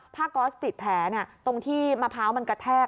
ก๊อสติดแผลตรงที่มะพร้าวมันกระแทก